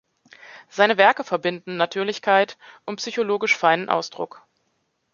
Seine Werke verbinden Natürlichkeit und psychologisch feinen Ausdruck.